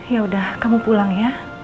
yaudah kamu pulang ya